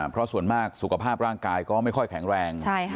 เพราะส่วนมากสุขภาพร่างกายก็ไม่ค่อยแข็งแรง